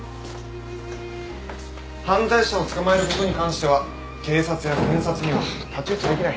犯罪者を捕まえることに関しては警察や検察には太刀打ちできない。